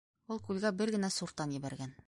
Ул күлгә бер генә суртан ебәргән.